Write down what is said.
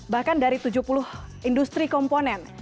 bahkan dari tujuh puluh industri komponen